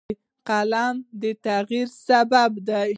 قلم د تغیر سبب دی